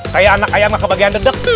kayak anak ayam gak kebagian dedek